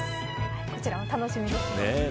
こちらも楽しみですね。